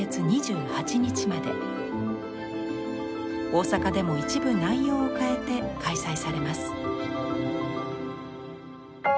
大阪でも一部内容を変えて開催されます。